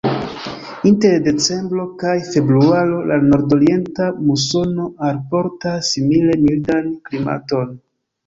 Inter decembro kaj februaro la nordorienta musono alportas simile mildan klimaton.